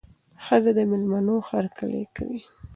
ښځه د مېلمنو هرکلی کوي.